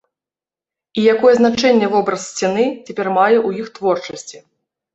І якое значэнне вобраз сцены цяпер мае ў іх творчасці?